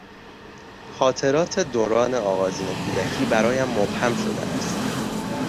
خاطرات دوران آغازین کودکی برایم مبهم شده است.